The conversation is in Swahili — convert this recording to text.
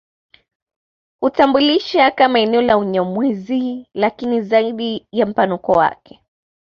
Hutambulisha kama eneo la Unyamwezi lakini zaidi ya mpanuko wake